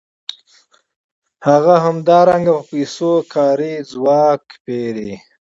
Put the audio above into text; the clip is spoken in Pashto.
هغه همدارنګه په پیسو کاري ځواک پېري